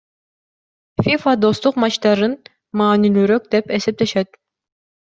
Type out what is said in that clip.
ФИФА достук матчтарын маанилүүрөөк деп эсептешет.